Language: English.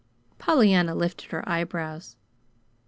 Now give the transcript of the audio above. Pollyanna lifted her eyebrows.